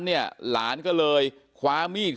เป็นมีดปลายแหลมยาวประมาณ๑ฟุตนะฮะที่ใช้ก่อเหตุ